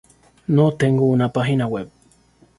No tengo una página web.